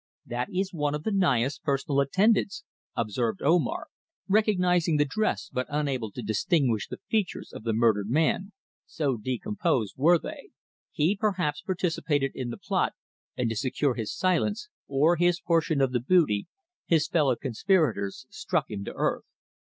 "That is one of the Naya's personal attendants," observed Omar, recognizing the dress, but unable to distinguish the features of the murdered man, so decomposed were they. "He perhaps participated in the plot, and to secure his silence, or his portion of the booty, his fellow conspirators struck him to earth."